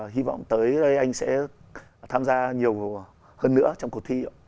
hy vọng tới đây anh sẽ tham gia nhiều hơn nữa trong cuộc thi ạ